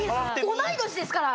同い年ですから。